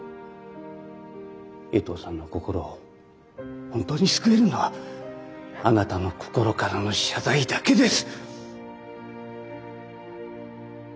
衛藤さんの心を本当に救えるのはあなたの心からの謝罪だけです。